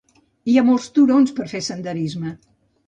Hi ha molts turons per fer senderisme.